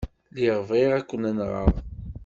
Lliɣ bɣiɣ ad ken-nɣeɣ.